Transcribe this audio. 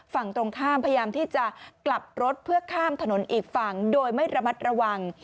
ฝั่งตรงข้ามพยายามที่จะกลับรถเพื่อข้ามถนนอีกฝั่งโดยไม่ระมัดระวัง